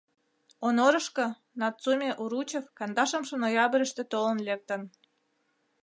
Онорышко Нацуме-Уручев кандашымше ноябрьыште толын лектын.